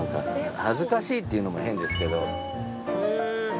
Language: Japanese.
恥ずかしいっていうのも変ですけど。